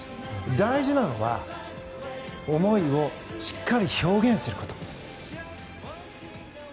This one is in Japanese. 大事なのは思いをしっかり表現すること。